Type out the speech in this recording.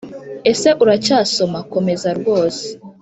ese uracyasoma komeza rwose